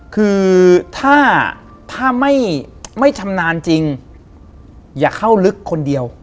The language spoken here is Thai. คือถ้าไม่ชำนาญจริงอย่าเข้าลึกคนเดียว